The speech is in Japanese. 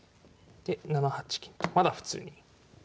で７八金とまだ普通に。